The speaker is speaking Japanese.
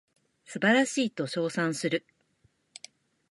素晴らしいと称賛する